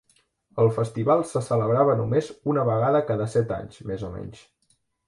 El festival se celebrava només una vegada cada set anys més o menys.